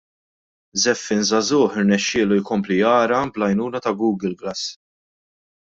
Żeffien żagħżugħ irnexxielu jkompli jara bl-għajnuna ta' Google Glass.